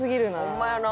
ホンマやな。